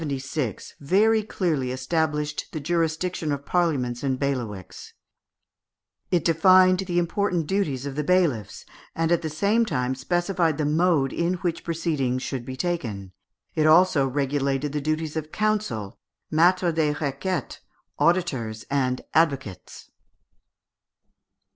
] The edict of 1276 very clearly established the jurisdiction of parliaments and bailiwicks; it defined the important duties of the bailiffs, and at the same time specified the mode in which proceedings should be taken; it also regulated the duties of counsel, maîtres des requêtes, auditors, and advocates.